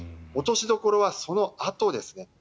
落としどころはそのあとですね。